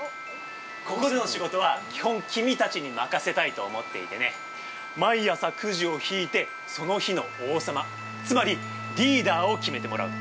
ここでの仕事は基本君たちに任せたいと思っていてね、毎朝くじを引いてその日の王様、つまりリーダーを決めてもらう。